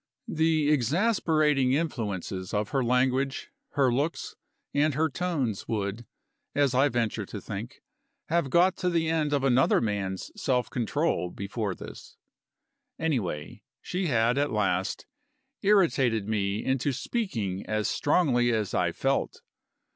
The exasperating influences of her language, her looks, and her tones would, as I venture to think, have got to the end of another man's self control before this. Anyway, she had at last irritated me into speaking as strongly as I felt.